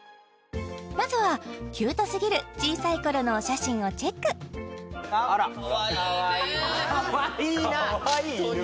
まずはキュートすぎる小さい頃のお写真をチェックかわいいな！